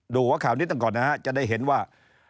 ดูหัวข่าวนี้ตั้งก่อนนะครับจะได้เห็นว่า